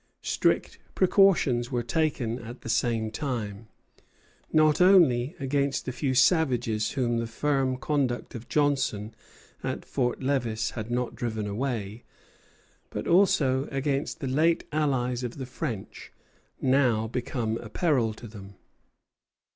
Strict precautions were taken at the same time, not only against the few savages whom the firm conduct of Johnson at Fort Lévis had not driven away, but also against the late allies of the French, now become a peril to them.